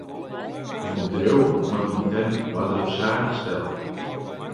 It bedriuw moat yntern oarder op saken stelle.